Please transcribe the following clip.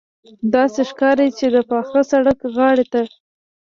داسې ښکاري چې د پاخه سړک غاړې ته.